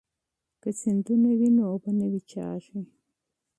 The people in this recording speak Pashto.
که سیندونه وي نو اوبه نه وچېږي.